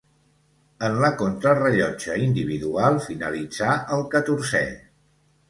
En la contrarellotge individual finalitzà el catorzè.